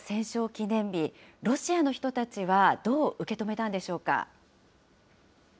記念日、ロシアの人たちはどう受け止めたんでしょうか。